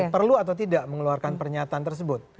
perlu atau tidak mengeluarkan pernyataan tersebut